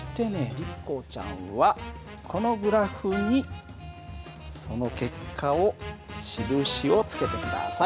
リコちゃんはこのグラフにその結果を印をつけて下さい。